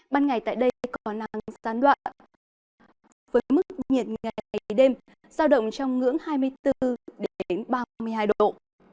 ban ngày tại đây có nắng sáng đoạn với mức nhiệt ngày đêm ra động trong ngưỡng hai mươi bốn đến ba mươi hai độ